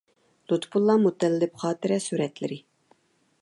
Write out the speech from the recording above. لۇتپۇللا مۇتەللىپ خاتىرە سۈرەتلىرى.